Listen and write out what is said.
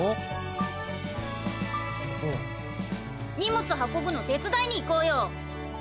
荷物運ぶの手伝いに行こうよ。